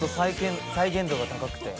再現度が高くて。